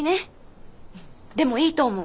でもいいと思う。